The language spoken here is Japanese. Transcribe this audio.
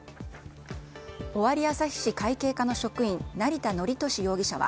尾張旭市会計課の職員成田憲俊容疑者は